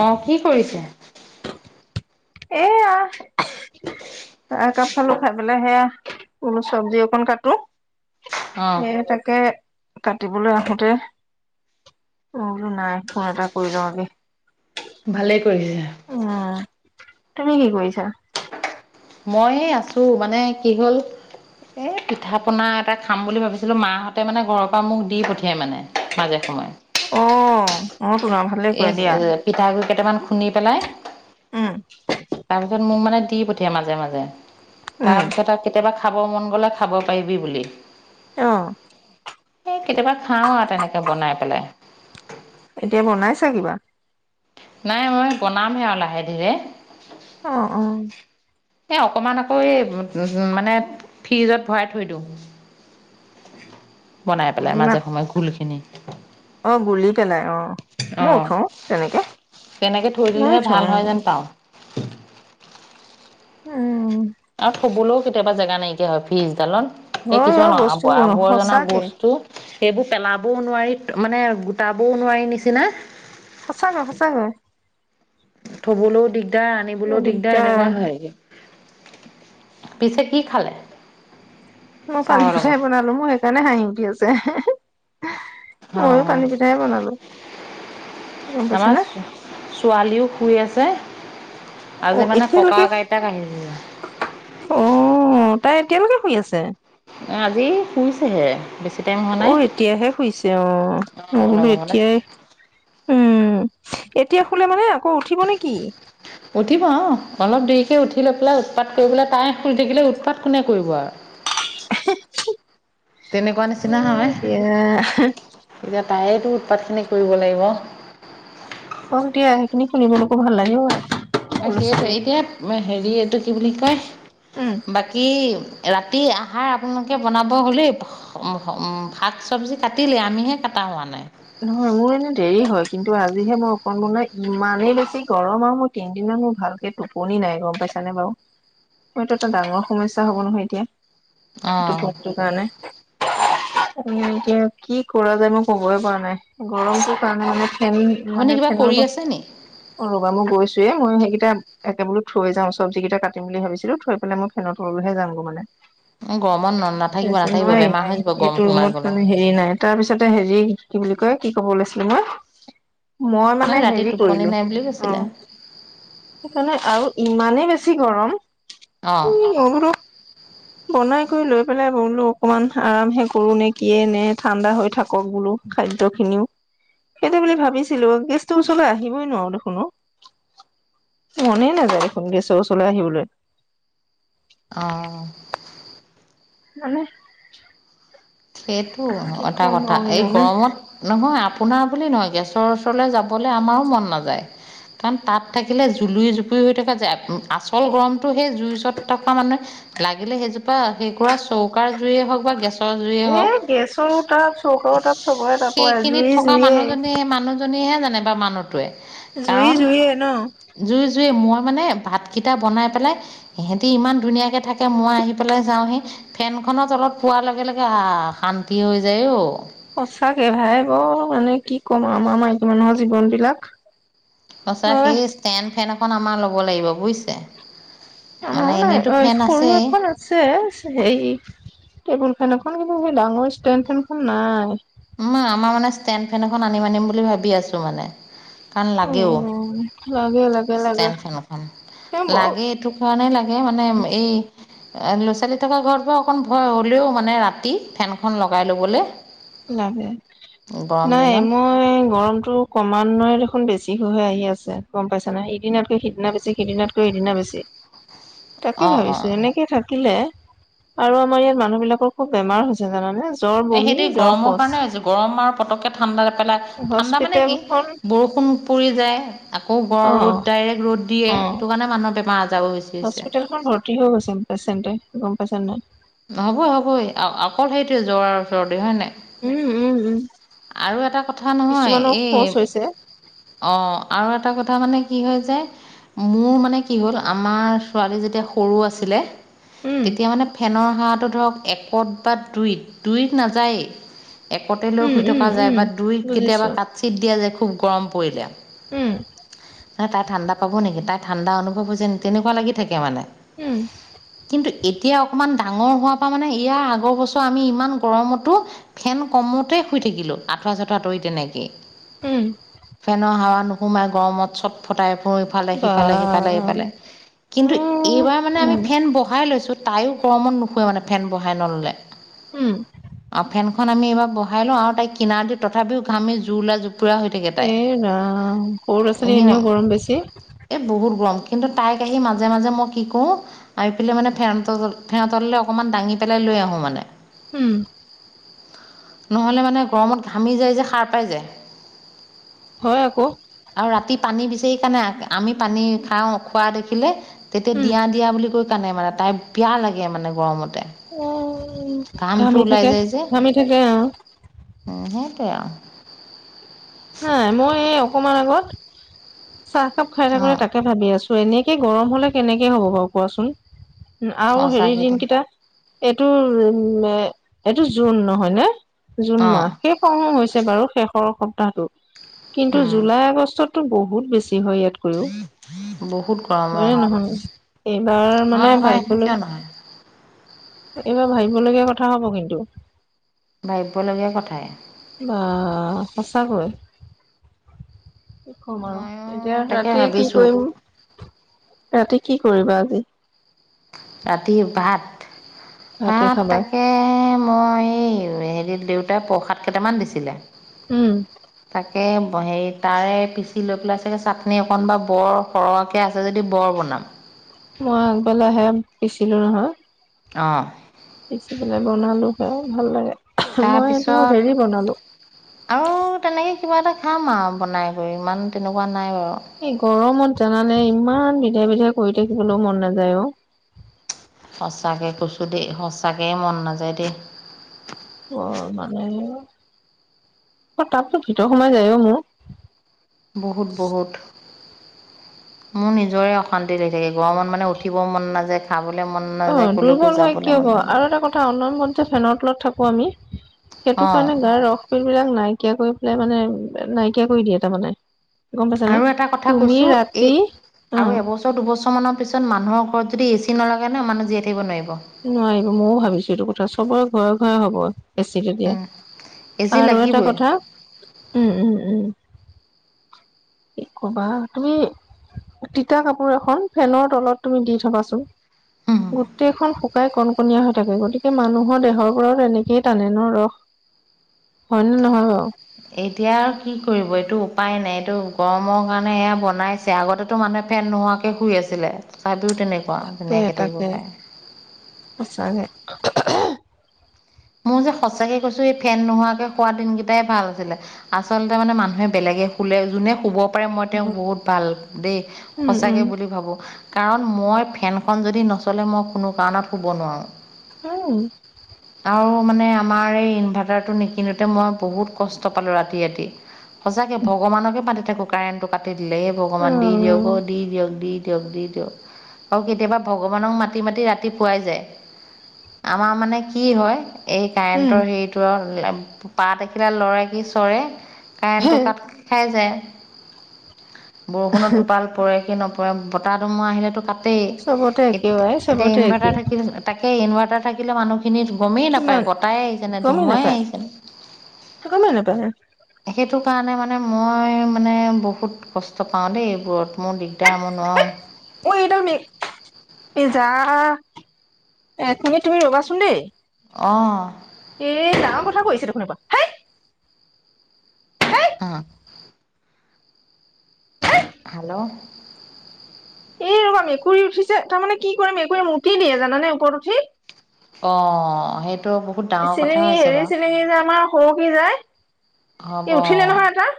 অ', কি কৰিছে? এইয়া চাহ একাপ খালো খাই পেলাই সেয়া, বোলো চব্জি অকণ কাটো। অ হে তাকে কাটিবলৈ আহোতে, মই বোলো নাই ফোন এটা কৰি লওঁ আগেই। ভালেই কৰিছে। উম, তুমি কি কৰিছা? মই এ আছোঁ মানে কি হ'ল এই পিঠা পোনা এটা খাম বুলি ভাবিছিলোঁ, মাহঁতে মানে ঘৰৰ পৰা মোক দি পঠিয়াই মানে মাজে সময়ে। অ অ'। [unintelligible] এই পিঠাগুৰি কেইটামান খুন্দি পেলাই, উম তাৰ পিছত মোৰ মানে দি পঠি য়াই মাজে মাজে, উম তাৰপিছত আৰু কেতিয়াবা খাব মন গ'লে খাব পাৰিবি বুলি। এ অ কেতিয়াবা খাও আৰু তেনেকে বনাই পেলাই। এতিয়া বনাইছা কিবা? নাই মই বনামহে আৰু লাহে ধীৰে। অ', অ'। এই অকমান আকৌ এ মানে ফ্ৰিজত ভৰাই থৈ দিওঁ। বনাই পেলাই না মাজে সময়ে ঘোলখিনি। অ', গুলী পেলাই অ', মইও অঁ থও তেনেকে। তেনেকে থৈ মই দিলেহে উঠো ভাল হয় যেন পাওঁ। উম। আৰু থবলৈও কেতিয়াবা জেগা নাইকিয়া হয় ফ্ৰীজডালত, সেই হয় অ কিছুমান বস্তু আব-আৱৰ্জনা সঁচাকে বস্তু সেইবোৰ পেলাবও নোৱাৰি মানে গোটাবও নোৱাৰি নিচিনা। সঁচাকৈ সঁচাকৈ। থ'বলৈও দিগদাৰ আনিবলৈও দিগদাৰ এনেকুৱা হয় গে। পিছে কি খালে? মই পানী চাহৰ পিঠাই লগত বনালো মোৰ সেইকাৰণে হাঁহি উঠি আছে। অ ময়ো পানী পিঠাই বনালো গ'ম পাইছে আমাৰ নে? ছোৱালীও শুই আছে। আজি অ', মানে ককা এতিয়ালৈকে। আইতাক আহিছিলে অ', তাই এতিয়ালৈকে শুই আছে? আজি শুইছেহে। বেছি টাইম হো অ', এতিয়াহে শুইছে অ', মই বোলো অলপ আগতে এতিয়াই উম, এতিয়া শুলে মানে আকৌ উঠিব নে কি? উঠিব অ', অলপ দেৰিকে উঠি লৈ পেলাই উৎপাত কৰি পেলাই, তাই শুই থাকিলে উৎপাত কোনে কৰিব আৰু। তেনেকুৱা এ নিচিনা হয়। দিয়া এতিয়া তায়েতো উৎপাত খিনি কৰিব লাগিব। হওক দিয়া সেখিনি শুনিবলৈকো ভাল লাগে ঐ। তাকেইটো এতিয়া হেৰি এইটো কি বুলি কয় উম বাকী ৰাতিৰ আহাৰ আপোনালোকে বনাব হ'লেই সম হম, শাক-চব্জি কাটিলেই। আমিহে কাটা হোৱা নাই। নহয় মোৰ এনে দেৰি হয়। কিন্তু আজিহে মই অকণ মানে ইমানেই বেছি গৰম আও মই তিন দিনমান মোৰ ভালকে টোপনি নাই গম পাইছানে বাও? মো এইটো এটা ডাঙৰ সমস্যা হ'ব নহয় এতিয়া। [unintelligible] অঁ কাৰণে, এতিয়া কি কৰা যায় মই ক'বই পৰা নাই। নাই, গৰমটোৰ কাৰণে মানে ফেন আপুনি মানে কিবা ফেনৰ কৰি ব অ', আছে নি ৰ'বা গৈছোৱে। মই সেইকেইটা একে বোলো থৈ যাওঁ। চব্জি কেইটা কাটিম বুলি ভাবিছিলো। থৈ পেলাই মই ফেনৰ তললৈহে যাম গ' মানে। গৰমত ন নাথাকিব নোৱাৰি, নাথাকিব বেমাৰ হৈ নোৱাৰি। যাব গৰম এইটো সোমাই ৰুমত গ'লে মানে হেৰি নাই। তাৰ পিছতে হেৰি কি বুলি কয়, কি ক'ব ওলাইছিলো মই? মই নহয় মানে ৰাতি হেৰি টোপনি কৰিলোঁ, নাই বুলি অ' কৈছিলে সেইকাৰণে আও ইমানেই বেছি গৰম অ'। [inaudible] বনাই কৰি লৈ পেলাই বোলো অকমান আৰামহে কৰো নে কিয়ে নে ঠাণ্ডা হৈ থাকক বোলো। খাদ্য খিনিও। সেইটো বুলি ভাবিছিলো, গেছটোৰ ওচৰলৈ আহিবই নোৱাৰো দেখোন অ'। মনে নেযায় দেখোন গেছৰ ওচৰলৈ আহিবলৈ। অ'। মানে সেইটো কি এটা কম কথা আৰু এই মানে গৰমত নহয় আপোনাৰ বুলি নহয়, গেছৰ ওচৰলে যাবলে আমাৰো মন নাযায়। কাৰণ তাত থাকিলে জুলুই জুপুৰি হৈ থাকা যায়। আচল গৰমটো সেই জুইৰ ওচৰত থকা মানুহে লাগিলে সেইজোপা সেইকুৰা চৌকাৰ জুইয়ে হওক বা গেছৰ জুইয়ে এ হওক, গেছৰ তাপ চৌকাও সে- তাপ চবৰে তাপ অ, জুই সেইখিনত থকা জুইয়ে মানুহজনে এ মানু জনীয়েহে জানে বা মানুহটোৱে জুই কাৰণ জুইয়ে ন'! জুই জুইয়ে। মই মানে ভাতকেইটা বনাই পেলাই সেহেঁতি ইমান ধুনীয়াকে থাকে। মই আহি পেলাই যাওঁহি ফেনখনত অলপ পোৱাৰ লগে ল আহ শান্তি হৈ যায় অ'। সঁচাকে ভাই। বৰ মানে কি ক'ম আমাৰ মাইকী মানুহৰ জীৱন বিলাক। সঁচাকে হয় এই ষ্টেণ্ড ফেন এখন আমাৰ ল'ব লাগিব, বুজিছে? মানে আমাৰো নাই। এনেইতো অহ এই ফেন সৰু আছেই এখন আৰু ছে হেই টেবুল ফেন এখন, কিন্ত সেই ডাঙৰ ষ্টেণ্ড ফেনখন নাই। উম মা আমাৰ মানে ষ্টেণ্ড ফেন এখন আনিম আনিম বুলি ভাবি আছো মানে। কাৰণ লাগেও অ', লাগে লাগে। লাগে ষ্টেণ্ড ফেন এখন, তেওঁ বৰ লাগে এইটো কাৰণে লাগে মানে এই ল' ছোৱালী থকা ঘৰত বাৰু অকণ ভয়। হ'লেও মানে ৰাতি ফেনখন লগাই ল'বলে লাগে। নাই দিনত মই গৰমটোক ক্ৰমান্বয়ে দেখোন বেছি হৈ হৈ আহি আছে। গম পাইছানে? ইদিনাতকৈ সিদিনা বেছি, সিদিনাতকৈ ইদিনা বেছি। তাকে অঁ ভাবিছো, অঁ এনেকে থাকিলে আৰু আমাৰ ইয়াত মানুহ বিলাকৰ খুব বেমাৰ হৈছে। জানানে, জ্বৰ এই বমি জ্বৰ গৰমৰ সেইটো শৌচ কাৰণে হৈছে গৰম আৰু পটককে ঠাণ্ডা পেলাই ঠাণ্ডা মানে কি হস্পিতেলখন বৰষুণ পৰি যায়। আকৌ গৰ অ ৰ'দ ডাইৰেক্ট ৰ'দ দিয়ে। সেইটো কাৰণে মানুহৰ বেমাৰ- আজাৰ বোৰ হৈছে। হস্পিটেলখন ভৰ্তি হৈ গৈছে পেচেণ্টে গম পাইছা নে নাই? হ'ব- হ'বই, অকল সেইটোৱে জ্বৰ আৰু চৰ্দি হয় নে নাই? উম- উম- উম। আৰু এটা কথা নহয়, কিছুমানৰ শৌচ হৈছে এই অহ, আৰু এটা কথা মানে কি হৈ যায়। মোৰ মানে কি হ'ল, আমাৰ ছোৱালী যেতিয়া সৰু আছিলে উম তেতিয়া মানে ফেনৰ হাৱাটো ধৰক, একত বা দুইত- দুইত নাযায়েই। একতে লৈ উম শুই উম থকা যায় উম বা দুইত কেতিয়াবা বুজিছো কাট- চিট দিয়া যায়, খুব গৰম পৰিলে। উম। তাই- তাই ঠাণ্ডা পাব নেকি? তাই ঠাণ্ডা অনুভৱ হৈছে নি, তেনেকুৱা লাগি থাকে মানে। উম। কিন্তু এতিয়া অকমান ডাঙৰ হোৱাৰ পৰা মানে ইয়াৰ আগৰ বছৰ আমি ইমান গৰমতো ফেন কমতে শুই থাকিলোঁ। আঁঠুৱা- চাঠুৱা আতৰি তেনেকে উম ফেনৰ হাৱা নোসোমাই গৰমত চব। ফটাই ফুৰোঁ ইফালে- বা সিফালে- সিফালে- ইফালে কিন্তু উম এইবাৰ মানে আমি উম ফেন বহাই লৈছোঁ। তাইও গৰমত নুশুৱে মানে, ফেন বঢ়হাই নল'লে উম আৰু ফেন খন আমি এইবাৰ উহাই লওঁ আৰু তাই কিনাৰ দি তথাপি ঘামি জোৰলা জোপুৰা হৈ থাকে তাই এ ৰাম সৰু ল'ৰা- ছোৱালী এনেও গৰম বেছি। এই বহুত গৰম। কিন্তু তাইক আহি মাজে- মাজে মই কি কৰোঁ আহি পেলাই মানে ফেন- ফেন তললে অকণমান দাঙি পেলাই লৈ আহোঁ মানে। উম। নহ'লে মানে গৰমত ঘামি যায় যে, সাৰ পাই যায়। হয় আকৌ। আৰু ৰাতি পানী বিচাৰি কাৰণে, আমি পানী খাওঁ, খোৱা দেখিলে তেতিয়া উম দিয়া- দিয়া বুলি কৈ কান্দে মানে তাই, পিয়া লাগে মানে গৰমতে। ঘামটো ঘামি ওলাই থাকে, ঘামি থাকে আহ। উম সেইটোৱে আৰু। নাই, মই এই অকমান আগত, চাহকাপ খাই থাকো তাকে ভাবি আছো। এনেকে গৰম হ'লে কেনেকে হ'ব বাৰু কোৱাচোন? আৰু অঁ হেৰি সঁচাকৈ দেই দিনকেইটা এইটো-এইটো জুন নহয় ন। জুন মাহ, অঁ শেষ হওঁ- হওঁ হৈছে বাৰু শেষৰ সপ্তাহটো। কিন্তু জুলাই আগষ্টততো বহুত বেছি হয় ইয়াত। বহুত গৰম অঁ হয়নে নহয়? এইবাৰ মানে হয় হয় ভাৱিবলৈ কিয় নহয় এইবাৰ ভাবিবলগীয়া কথা হ'ব কিন্তু। ভাবিবলগীয়া কথাই। বা! সঁচাকৈ। কি কম আৰু, ময়ো এতিয়া তাকে ৰাতিয়ে কি ভাবিছোঁ কৰিম, ৰাতি কি কৰিবা আজি? ৰাতি ভাত- ভাতে ভাত খাবা তাক এই, মই এই দেউতাই প্ৰসাদ কেইটামান দিছিলে। উম। তাকে হেৰি, তাৰে পিচি পেলাই চাগৈ চাটনি অকণমান বৰ আছে যদি, বৰ বনাম। মই আগবেলা হেইয়া পিছিলোঁ নহয়। অ' পিছি পেলাই বনালোঁ, হে ভাল লাগে। মই এইটো তাৰপিছত হেৰি বনালোঁ। আৰু তেনেকৈ কিবা এটা খাম আৰু বনাই কৰি ইমান তেনেকুৱা নাই বাৰু। এই গৰমত জানানে ইমান বিধাই বিধাই কৰি থাকিবলৈও মন নাযায় অ'। সঁচাকৈ কৈছোঁ দেই, সঁচাকৈ মন নাযায় দেই। অ' মানে আহিব। অ' তাপতো ভিতৰত সোমাই যায় অ' মোৰ। বহুত বহুত। মোৰ নিজৰে অশান্তি লাগি থাকে। গৰমত মানে উঠিব মন নাযায়। খাবলৈ মন অ' নাযায় ক'লৈকো দুৰ্বল হয় যাবলৈ কিয় মন বা নাযায় আৰু এটা কথা অনন মন যে ফেনৰ তলত থাকোঁ আমি সেইটো অঁ কাৰণে গাৰ ৰস। এই বিলাক নাইকিয়া কৰি পেলাই মানে নাইকিয়া কৰি দিয়ে তাৰমানে। গ'ম পাইছানে? আৰু এটা কথা তুমি কৈছোঁ এই ৰাতি উম। আৰু এবছৰ দুবছৰমানৰ পিছত মানুহৰ ঘৰত যদি এ চি নালাগে নহয়। মানুহ জীয়াই থাকিব নোৱাৰিব। নোৱাৰিব মইয়ো ভাবিছোঁ। এইটো কথা চবৰে ঘৰে ঘৰে হ'ব। এ চি তেতিয়া উম, এ চি আৰু এটা লাগিবই কথা উম, উম, উম। কি ক'বা তুমি তিতা কাপোৰ এখন ফেনৰ তলত তুমি দি থ'বা চোন গোটেই খন শুকাই কণ কণীয়া হৈ থাকে। গতিকে মানুহৰ দেহৰ পৰা তেনেকে টানে ন ৰস। হয়নে নহয় বাৰু এতিয়া আৰু কি কৰিব এইটো উপায় নাই এইটো গৰমৰ কাৰণে এইয়া বনাইছে। আগতেতো মানুহে ফেন নোহোৱাকে শুই আছিলে। তথাপিওঁ তেনে তাকে তাকে সঁচাকে মোৰ যে সঁচাকে কৈছোঁ এই ফেন নোহোৱাকে শুৱা দিনকেইটাই ভাল আছিলে। আচলতে মানে মানুহে বেলেগে শুলে যোনে শুব পাৰে মই তেওঁক উম বহুত ভাল দেই উম সঁচাকে বুলি ভাবোঁ। কাৰণ মই ফেনখন যদি নচলে। মই কোনো কাৰণত শুব নোৱাৰোঁ। উম। আৰু মানে আমাৰ এই ইনভেৰ্টাৰটো নিকিনোতে মই বহুত কষ্ট পালোঁ ৰাতি ৰাতি। সঁচাকে ভগৱানকে মাতি থাকোঁ কাৰেণ্টটো কাটি দিলে এই অ ভগৱানকে দি দিয়ক অ' দি দিয়ক দি দিয়ক দি দিয়ক আৰু কেতিয়াবা ভগৱানক মাতি মাতি ৰাতিপুৱাই যায়। আমাৰ মানে কি কি হয়, এই উম কাৰেণ্টৰ হেৰিটোৰ পাত এখিলা লৰে কি চৰে হে কাৰেণ্টটো কাট খাই যায়। বৰষুণৰ টোপাল পৰে কি নপৰে পুৰা বতাহ ধুমুহা আহিলেতো কাটেই। চবতে একে অ আই এতিয়া চবতে একে ইনভেৰ্টাৰ থাকিলে তাকে ইনভেৰ্টাৰ থাকিলে মানুহখিনি গমেই নাপায় কিমান বতাহই আহিছে নে ধুমুহাই আহিছেনে। গমে নাপায়েই। সেইটো কাৰণে মানে মই মানে বহুত কষ্ট পাওঁ দেই। এইবোৰত মোৰ দিগদাৰ মই নোৱাৰোঁ। ঐ এইডাল মে এই জা একমিনিট তুমি ৰবাচোন দেই। অহ' এই ডাঙৰ কথা কৈছে দেখোন এইবাৰ হেই হেই অহ'। হেল্ল' এই ৰবা মেকুৰী উঠিছে তাৰমানে কি কৰে মেকুৰীয়ে মুটি দিয়ে জানানে ওপৰত উঠি। অহ সেইটো ব চিলিঙি হেৰি চিলিঙি যে আমাৰ হৰুকি যায় হ'ব ই উঠিলে অঁ নহয় এটা।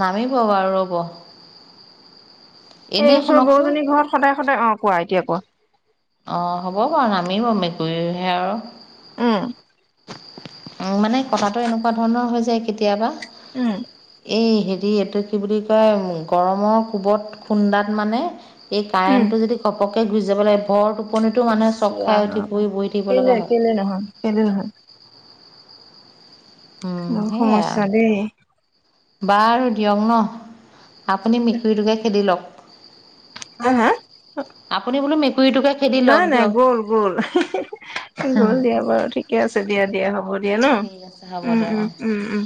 নামিব বাৰু ৰ'ব। এই এনেই ওচৰৰ শুনকচোন বৌ-জনীৰ ঘৰত সদায় সদায় অহ কোৱা এতিয়া কোৱা। অ হ'ব বাৰু নামিব মেকুৰীৰহে আৰু উম উম মানে কথাটো এনেকুৱা ধৰণৰ হৈ যায় কেতিয়াবা। উম এই হেৰি এটো কি বুলি কয় গৰমৰ কোবত খুন্দাত মানে, এই উম কাৰেণ্ট টো যদি ঘপকে গুচি যাব লাগে বৰ টো টোপনিটো ইচ মানে চক খাই উঠি পৰি বহি থাকিব লগা হয়। এ নহয়, কেলে নহয়, উম, বহুত সেয়াই সমস্যা আৰু দেই। বাৰু দিয়ক ন আপুনি মেকুৰীটোকে খেদি লওক। হা হা, আপুনি বোলো মেকুৰীটোকে খেদি লওক নাই নাই দিয়ক গ'ল গল গ'ল দিয়া বাৰু ঠিকে আছে দিয়া দিয়া হ'ব দিয়া ন, ঠিক আছে হ'ব উম দিয়ক উম অঁ উম উম